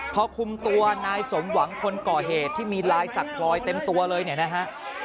พอคุมตัวนายสมหวังคนก่อเหตุที่มีลายสักพลอยเต็มตัวเลยเนี่ยนะฮะ